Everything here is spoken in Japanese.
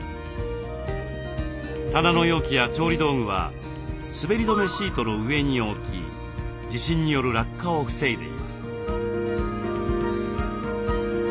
棚の容器や調理道具は滑り止めシートの上に置き地震による落下を防いでいます。